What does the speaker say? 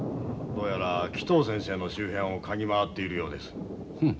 どうやら鬼頭先生の周辺をかぎ回っているようです。